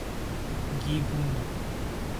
گیبون